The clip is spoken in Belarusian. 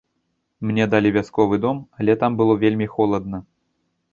Мне далі вясковы дом, але там было вельмі холадна.